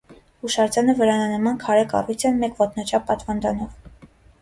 Հուշարձանը վրանանման քարե կառույց է մեկ ոտնաչափ պատվանդանով։